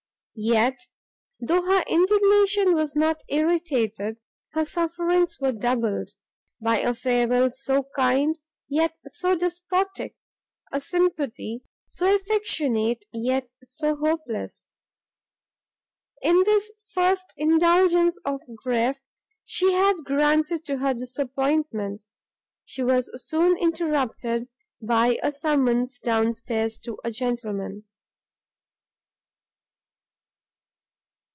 Yet though her indignation was not irritated, her sufferings were doubled, by a farewell so kind, yet so despotic, a sympathy so affectionate, yet so hopeless. In this first indulgence of grief which she had granted to her disappointment, she was soon interrupted by a summons down stairs to a gentleman.